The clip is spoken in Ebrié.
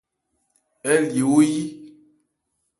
Ɛɛ́ lye wo/nkɔ̂n yí.